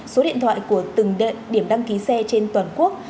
số điện thoại của từng điểm đăng ký xe trên toàn quốc